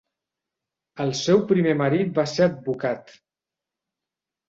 El seu primer marit va ser advocat.